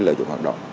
lợi dụng hoạt động